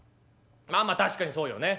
まあまあ確かにそうよね。